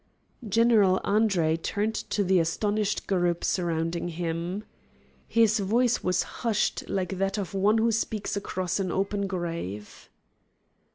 General Andre turned to the astonished group surrounding him. His voice was hushed like that of one who speaks across an open grave.